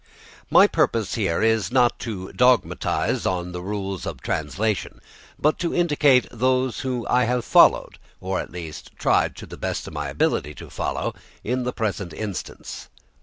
My purpose here is not to dogmatise on the rules of translation, but to indicate those I have followed, or at least tried to the best of my ability to follow, in the present instance.